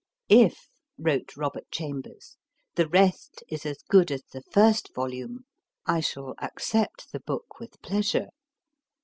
If, wrote Robert Chambers, the rest is as good as the first volume, I shall ac cept the book with pleasure.